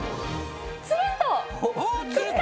つるんと！